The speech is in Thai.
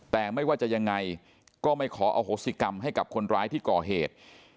แต่ไม่ว่าจะยังไงก็ไม่ขออโหสิกรรมให้กับคนร้ายที่ก่อเหตุ